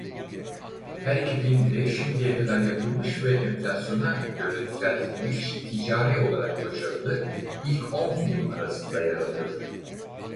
Her iki film de şimdiye kadar yapılmış ve enflasyona göre düzeltilmiş ticari olarak başarılı ilk on film arasında yer alıyor.